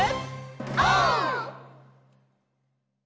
オー！